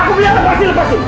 aku bilang lepasin lepasin